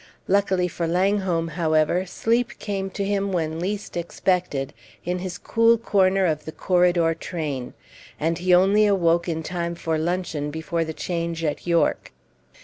Luckily for Langholm, however, sleep came to him when least expected, in his cool corner of the corridor train, and he only awoke in time for luncheon before the change at York.